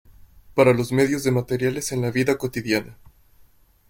Para los medios de materiales en la vida cotidiana.